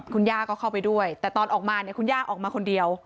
คุณย่าก็เข้าไปด้วยแต่ตอนออกมาเนี่ยคุณย่าออกมาคนเดียว